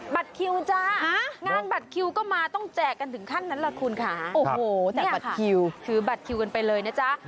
บัตรคิวจ้างานบัตรคิวก็มาต้องแจกกันถึงขั้นนั้นล่ะคุณค่ะโอ้โหแจกบัตรคิวถือบัตรคิวกันไปเลยนะจ๊ะ